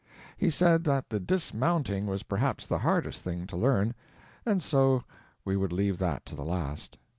He said that the dismounting was perhaps the hardest thing to learn, and so we would leave that to the last.